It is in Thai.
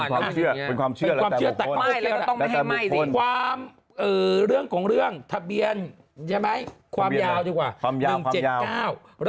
เป็นความเชื่อแต่บุคคล